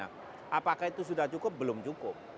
apakah itu sudah cukup belum cukup